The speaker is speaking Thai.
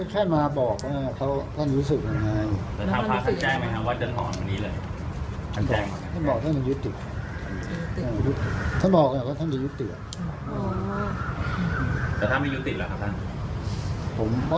ขอบคุณครับ